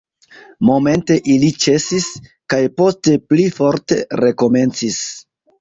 Momente ili ĉesis, kaj poste pli forte rekomencis.